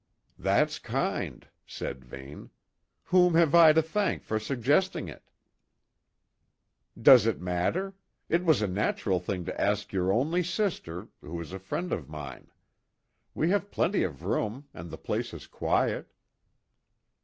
"That's kind," said Vane. "Whom have I to thank for suggesting it?" "Does it matter? It was a natural thing to ask your only sister who is a friend of mine. We have plenty of room, and the place is quiet."